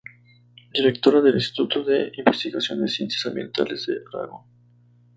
Directora del Instituto de Investigación en Ciencias Ambientales de Aragón.